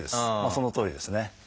そのとおりですね。